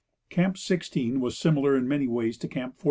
Camp 16 was similar in many ways to Camp 14.